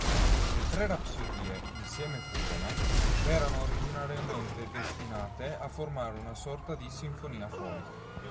Le tre rapsodie insieme furono erano originariamente destinate a formare una sorta di sinfonia-folk.